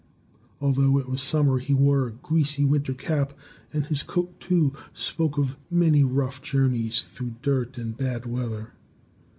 Although it was summer, he wore a greasy winter cap, and his coat, too, spoke of many rough journeys through dirt and bad weather.